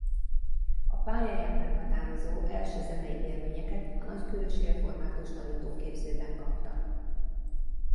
A pályáját meghatározó első zenei élményeket a nagykőrösi Református Tanítóképzőben kapta.